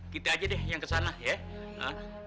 kita aja deh yang kesana ya